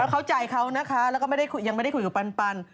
เข้าใจเขานะคะแล้วก็ยังไม่ได้คุยกับปัน